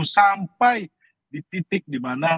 sampai di titik dimana